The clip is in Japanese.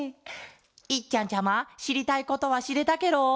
いっちゃんちゃましりたいことはしれたケロ？